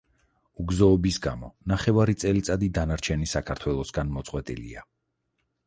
უგზოობის გამო ნახევარი წელიწადი დანარჩენი საქართველოსგან მოწყვეტილია.